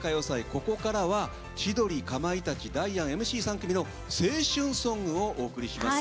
ここからは千鳥、かまいたちダイアンＭＣ３組の青春ソングをお送りします。